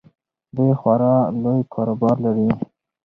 دوی خورا لوی کاروبار لري.